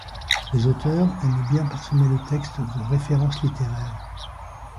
Les auteurs aiment bien parsemer le texte de références littéraires.